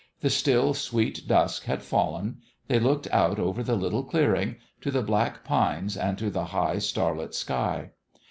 The still, sweet dusk had fallen. They looked out over the little clearing to the black pines and to the high star lit sky.